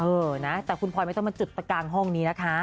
เออนะแต่คุณพลอยไม่ต้องมาจุดประกางห้องนี้นะคะ